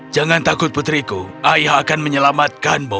jangan takut putriku ayah akan menyelamatkanmu